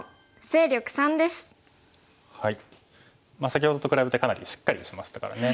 先ほどと比べてかなりしっかりしましたからね。